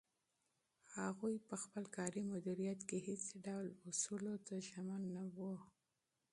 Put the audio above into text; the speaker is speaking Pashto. هغوی په خپل کاري مدیریت کې هیڅ ډول اصولو ته ژمن نه وو.